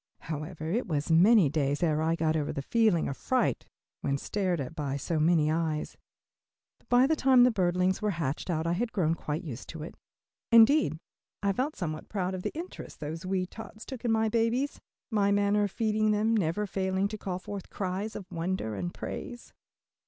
However, it was many days ere I got over the feeling of fright when stared at by so many eyes, but by the time the birdlings were hatched out I had grown quite used to it. Indeed I felt somewhat proud of the interest those wee tots took in my babies, my manner of feeding them never failing to call forth cries of wonder and praise.